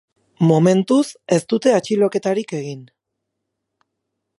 Momentuz ez dute atxiloketarik egin.